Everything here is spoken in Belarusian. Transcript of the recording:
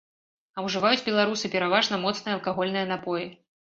А ўжываюць беларусы пераважна моцныя алкагольныя напоі.